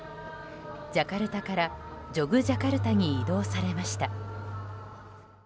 ジャカルタからジョグジャカルタに移動されました。